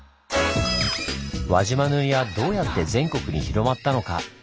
輪島塗はどうやって全国に広まったのか。